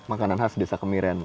makanan khas desa kemiren